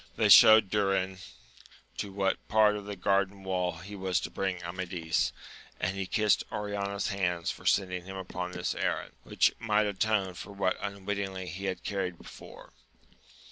They showed Durin to what part of the garden wall he was to bring Amadis, and he kissed Oriana's hands for sending him upon this errand, which might atone for what unwittingly he had carried before.